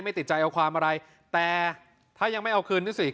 ติดใจเอาความอะไรแต่ถ้ายังไม่เอาคืนนี่สิ